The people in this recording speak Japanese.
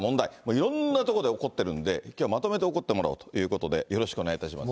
いろんなところで起こってるんで、きょうまとめて怒ってもらおうということで、よろしくお願いいたします。